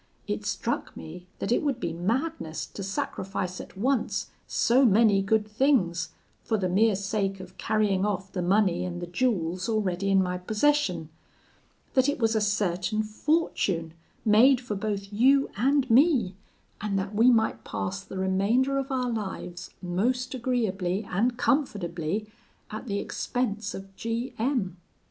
It struck me that it would be madness to sacrifice at once so many good things for the mere sake of carrying off the money and the jewels already in my possession; that it was a certain fortune made for both you and me, and that we might pass the remainder of our lives most agreeably and comfortably at the expense of G M